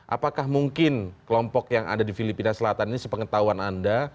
apakah mungkin kelompok yang ada di filipina selatan ini sepengetahuan anda